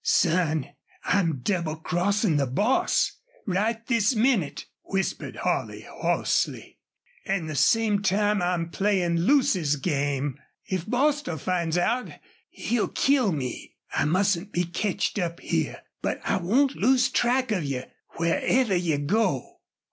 "Son, I'm double crossin' the boss, right this minnit!" whispered Holley, hoarsely. "An' the same time I'm playin' Lucy's game. If Bostil finds out he'll kill me. I mustn't be ketched up here. But I won't lose track of you wherever you go."